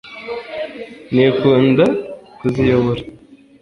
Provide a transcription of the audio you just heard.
Nikunda kuziyobora.